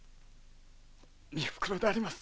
３袋であります。